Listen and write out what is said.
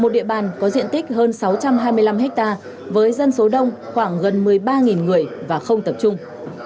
một địa bàn có diện tích hơn sáu trăm hai mươi năm hectare với dân số đông khoảng gần một mươi ba người và không tập trung